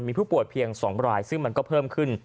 มีผู้ป่วยเพียง๒รายซึ่งมันก็เพิ่มขึ้น